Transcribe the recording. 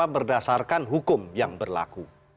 berdasarkan hukum yang berlaku